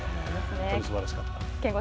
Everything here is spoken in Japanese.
本当にすばらしかった。